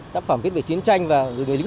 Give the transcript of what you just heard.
tác phẩm biết về chiến tranh và người lĩnh